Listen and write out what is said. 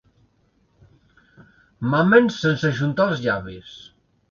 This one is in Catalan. Mamem sense ajuntar els llavis.